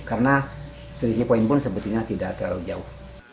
karena selisih poin pun sebetulnya tidak terlalu jauh